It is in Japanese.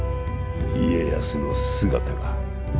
家康の姿が。